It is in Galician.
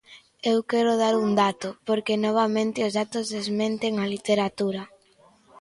Eu quero dar un dato, porque novamente os datos desmenten a literatura.